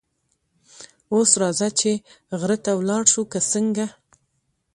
اوس راځه چې غره ته ولاړ شو، که څنګه؟